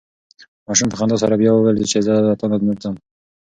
ماشوم په خندا سره بیا وویل چې زه له تا نه ځم.